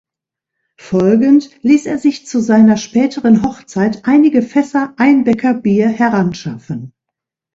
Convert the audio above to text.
Folgend ließ er sich zu seiner späteren Hochzeit einige Fässer Einbecker Bier heranschaffen.